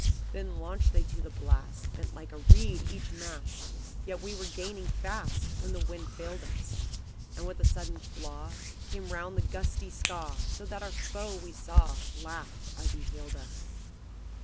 "Then launched they to the blast, Bent like a reed each mast, Yet we were gaining fast, When the wind failed us; And with a sudden flaw Came round the gusty Skaw, So that our foe we saw Laugh as he hailed us.